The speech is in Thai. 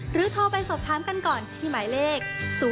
โทรไปสอบถามกันก่อนที่หมายเลข๐๔